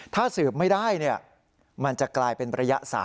ถ้าสืบไม่ได้มันจะกลายเป็นระยะ๓